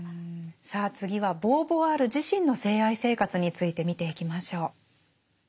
さあ次はボーヴォワール自身の性愛生活について見ていきましょう。